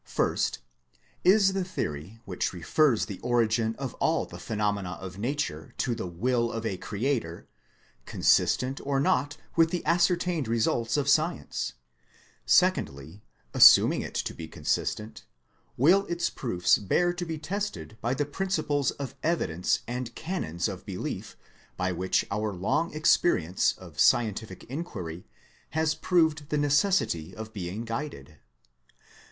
First : Is the theory, which refers the origin of all the phenomena of nature to the will of a Creator, consistent or not with the ascertained results of science ? Secondly, assuming it to be con sistent, will its proofs bear to be tested by the prin ciples of evidence and canons of belief by which our long experience of scientific inquiry has proved the necessity of being guided